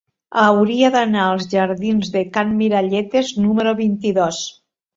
Hauria d'anar als jardins de Can Miralletes número vint-i-dos.